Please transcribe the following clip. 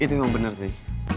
itu emang bener sih